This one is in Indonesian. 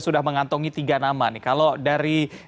sudah mengantongi tiga nama nih kalau dari